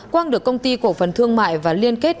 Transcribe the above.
quang được công ty cổ phần thương mại và liên kết